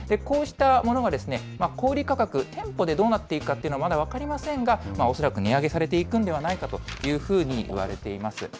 こうしたものが小売り価格、店舗でどうなっていくかというのは、まだ分かりませんが、恐らく値上げされていくんではないかというふうにいわれています。